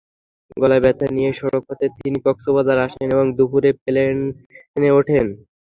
গলায় ব্যথা নিয়েই সড়কপথে তিনি কক্সবাজার আসেন এবং দুপুরে প্লেনে ওঠেন।